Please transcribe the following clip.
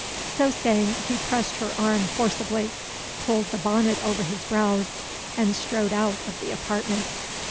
So saying, he pressed her arm forcibly, pulled the bonnet over his brows, and strode out of the apartment.